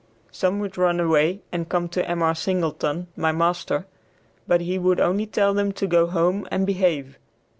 Some would run away and come to M.R. Singleton, my master, but he would only tell them to go home and behave.